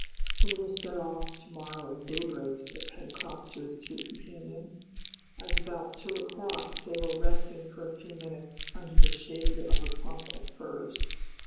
"We will set off to morrow at daybreak," said Pencroft to his two companions, as about two o'clock they were resting for a few minutes under the shade of a clump of firs.